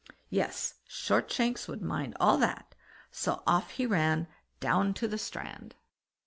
Yes! Shortshanks would mind all that; so off he ran down to the strand.